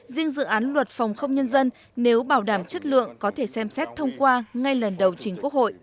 riêng dự án luật phòng không nhân dân nếu bảo đảm chất lượng có thể xem xét thông qua ngay lần đầu chính quốc hội